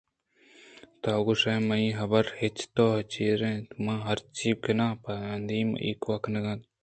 تو گوٛشئے منی حبر اچ تو چیر اَنت ءُمن ہرچی کناں پہ اندیم ءَ ایوک ءَ کنگ ءَ اوں